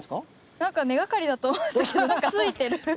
なんか根がかりだと思ったけどなんかついてるお？